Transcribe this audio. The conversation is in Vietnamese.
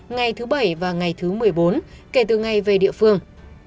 ngày thứ bảy và ngày thứ một mươi bốn kể từ ngày về địa phương